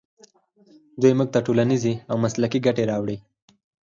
دوی موږ ته ټولنیزې او مسلکي ګټې راوړي.